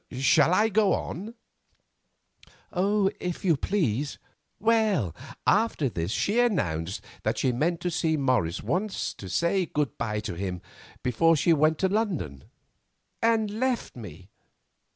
Shall I go on?" "If you please." "Well, after this she announced that she meant to see Morris once to say good bye to him before she went to London, and left me.